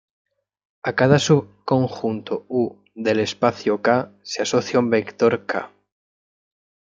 A cada subconjunto 𝑢 del espacio 𝐾 se asocia un vector 𝑘⃗.